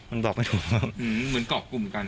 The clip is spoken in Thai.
มันบอกไม่ถูกครับเหมือนเกาะกลุ่มกัน